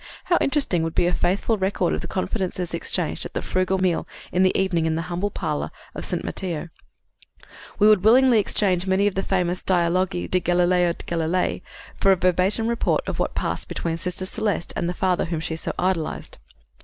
How interesting would be a faithful record of the confidences exchanged at the frugal meal in the evening in the humble parlor of S. Matteo! We would willingly exchange many of the famous Dialoghi di Galileo Galilei for a verbatim report of what passed between Sister Celeste and the father whom she so idolized.